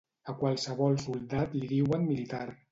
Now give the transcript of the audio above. A qualsevol soldat li diuen militar.